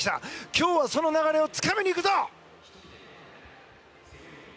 今日はその流れをつかみに行くぞ！